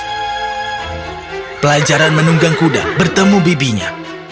dia berbohong untuk menunggang kuda bertemu bibinya